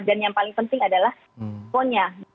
dan yang paling penting adalah resikonya